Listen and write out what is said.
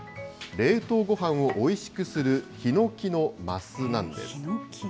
冷凍ごはんをおいしくするヒノキの升なんです。